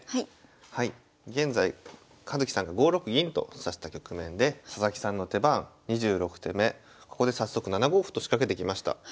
現在葉月さんが５六銀と指した局面で佐々木さんの手番２６手目ここで早速７五歩と仕掛けてきました。